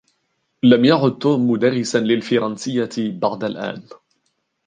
لم يعد توم مدرسا للفرنسية بعد الآن.